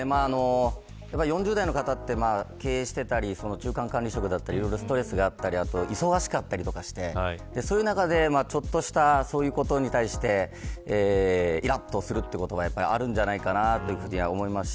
４０代の方は経営していたり中間管理職だったり、いろいろストレスがあったりして忙しかったりしてそういう中でちょっとしたことに対していらっとするということはあるんじゃないかなと思います。